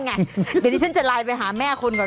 เดี๋ยวที่ฉันจะไลน์ไปหาแม่คุณก่อน